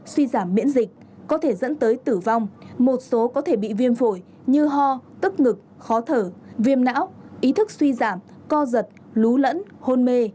suy giảm miễn dịch có thể dẫn tới tử vong một số có thể bị viêm phổi như ho tức ngực khó thở viêm não ý thức suy giảm co giật lún mê